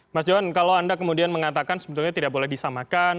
mas johan kalau anda kemudian mengatakan sebetulnya tidak boleh disamakan